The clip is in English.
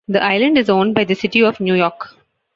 The island is owned by the city of New York.